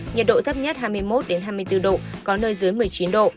nhiệt độ thấp nhất hai mươi một hai mươi bốn độ có nơi dưới một mươi chín độ